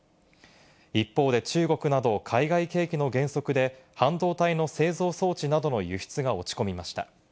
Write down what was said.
一方で中国など海外景気の減速で半導体の製造装置などの輸出が落ち込みました。